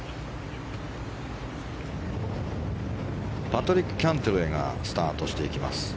パトリック・キャントレーがスタートしていきます。